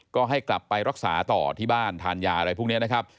ก็ให้กลับไปรักษาต่อที่บ้านทานยาอะไรพวกนี้นะครับ